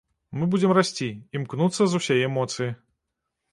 Мы будзем расці, імкнуцца з усяе моцы.